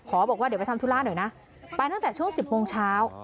บอกว่าเดี๋ยวไปทำธุระหน่อยนะไปตั้งแต่ช่วง๑๐โมงเช้า